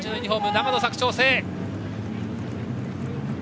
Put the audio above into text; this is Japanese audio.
長野・佐久長聖。